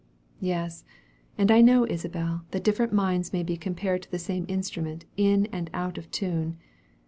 "Yes; and I know, Isabel, that different minds may be compared to the same instrument in and out of tune.